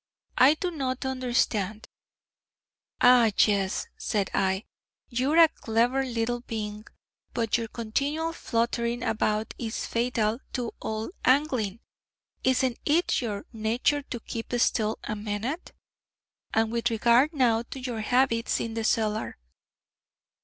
I do not understand ' 'Ah, yes,' said I, 'you are a clever little being: but your continual fluttering about is fatal to all angling. Isn't it in your nature to keep still a minute? And with regard now to your habits in the cellar